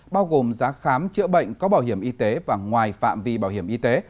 bao gồm giá khám chữa bệnh có bảo hiểm y tế và ngoài phạm vi bảo hiểm y tế